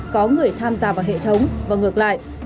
có người tham gia vào hệ thống và ngược lại